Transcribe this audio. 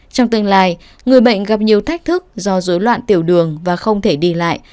trong tương lai người bệnh gặp nhiều thách thức do dối loạn tiểu đường và không thể đi lại